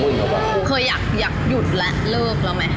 เคยอยากหยุดและเลิกแล้วไหม